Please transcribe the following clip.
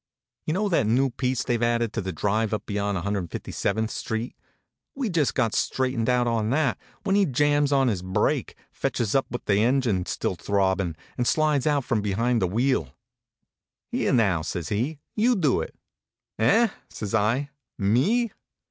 You know that new piece they ve added to the drive up beyond 157th Street? We d just got straightened out on that, when he jams on his brake, fetches up with the engine still throbbin , and slides out from behind the wheel. HONK, HONK! " Here, now," says he, " you do it." "Eh? "says I. "Me?"